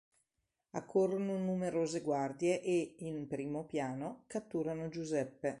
Accorrono numerose guardie e, in primo piano, catturano Giuseppe.